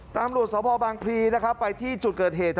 ตำรวจสาวพ่อบางพีนะครับไปที่จุดเกิดเหตุ